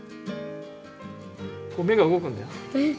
目が動くんだよ。